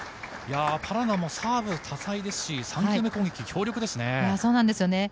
パラナンもサーブが多彩ですし３球目攻撃が強力ですね。